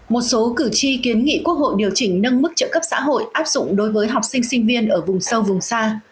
một số cử tri kiến nghị quốc hội điều chỉnh nâng mức trợ cấp xã hội áp dụng đối với học sinh sinh viên ở vùng sâu vùng xa